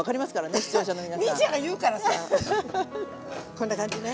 こんな感じね。